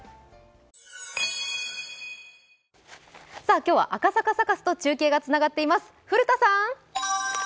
今日は赤坂サカスと中継がつながっています。